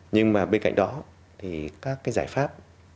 nhưng mà bên cạnh đó thì các cái giải pháp